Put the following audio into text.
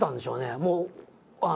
もう。